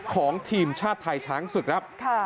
ของทีมชาติไทยช้างศึกครับ